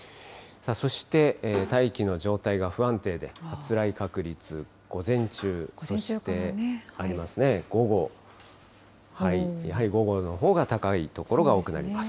そして大気の状態が不安定で、発雷確率、午前中、そして午後、やはり午後のほうが高い所が多くなります。